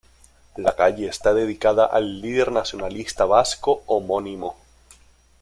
La calle está dedicada al líder nacionalista vasco homónimo.